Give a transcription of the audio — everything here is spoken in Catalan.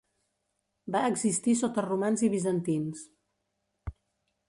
Va existir sota romans i bizantins.